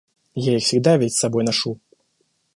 Я их всегда ведь с собой ношу.